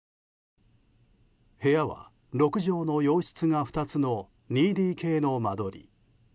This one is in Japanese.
部屋は６畳の洋室が２つの２ＤＫの間取り。